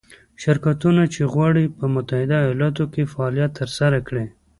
شرکتونه چې غواړي په متحده ایالتونو کې فعالیت ترسره کړي.